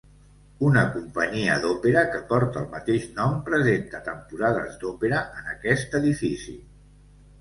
Una companyia d'òpera que porta el mateix nom presenta temporades d'òpera en aquest edifici.